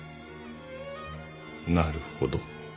なるほど。